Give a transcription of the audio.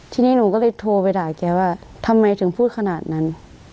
ทีนี้หนูก็เลยโทรไปด่าแกว่าทำไมถึงพูดขนาดนั้น